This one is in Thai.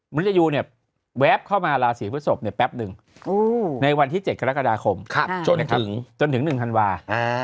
มนุษยูเนี่ยแว๊บเข้ามาราศีพฤทธิ์ศพเนี่ยแป๊บนึงในวันที่๗กรกฎาคมจนถึง๑ธันวาคม